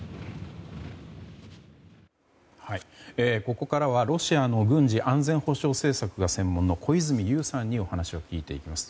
ここからは、ロシアの軍事・安全保障政策が専門の小泉悠さんにお話を聞いていきます。